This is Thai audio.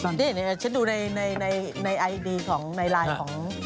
เห็นไหมฉันดูในไลน์ของหลายอัน